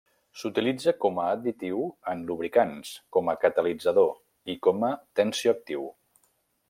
S'utilitza com a additiu en lubricants, com a catalitzador, i com a tensioactiu.